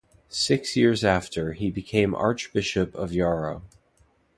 Six years after, he became Archbishop of Jaro.